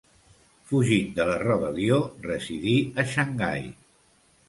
Fugint de la rebel·lió residí a Xangai.